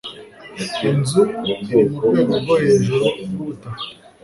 Inzu iri murwego rwo hejuru rwubutaka.